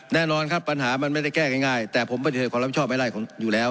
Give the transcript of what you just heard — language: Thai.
แน่นอนครับปัญหามันไม่ได้แก้ง่ายแต่ผมปฏิเสธความรับผิดชอบไม่ได้อยู่แล้ว